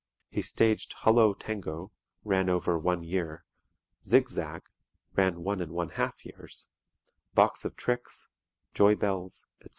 He staged "Hullo Tango" (ran over one year), "Zig Zag" (ran one and one half years), "Box of Tricks," "Joybells," etc.